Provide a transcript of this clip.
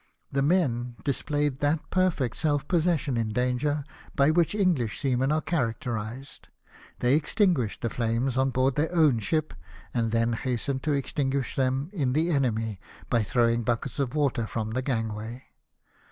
The men displayed that perfect self possession in danger by which English seamen are characterised! They extinguished the flames on board their own ship and then hastened to extinguish them in the enemy, by throwing buckets of water from the gangway.